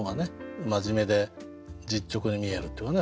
真面目で実直に見えるっていうかね。